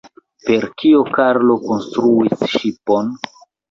Per kio Karlo konstruis ŝipon?